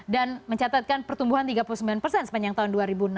dan mencatatkan pertumbuhan tiga puluh sembilan persen sepanjang tahun dua ribu enam belas